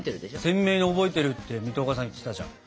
鮮明に覚えてるって水戸岡さん言ってたじゃん。